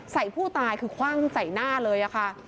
ใส่ผู้ตายคือคว่างใส่หน้าเลยค่ะ